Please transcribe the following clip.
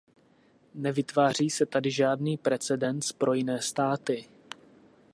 Nevytváří se tady žádný precedens pro jiné státy.